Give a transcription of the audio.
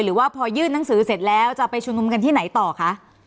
หรือว่าพอยื่นหนังสือเสร็จแล้วจะไปชุมนุมกันที่ไหนต่อคะ